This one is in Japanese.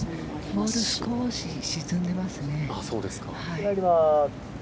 ボール少し沈んでますね。